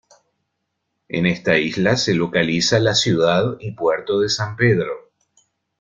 En esta isla se localiza la ciudad y puerto de San Pedro.